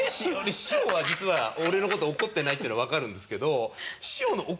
師匠は実は俺の事怒ってないっていうのわかるんですけど。